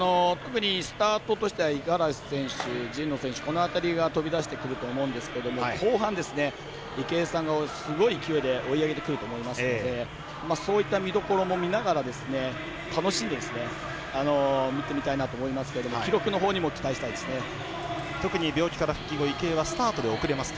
スタートとしては五十嵐選手、神野選手がこの辺りが飛び出してくると思うんですが後半、池江さんがすごい勢いで追い上げてくると思いますのでそういった見どころも見ながら楽しんで見てみたいなと思いますけど記録のほうにも特に病気から復帰後池江はスタートから遅れます。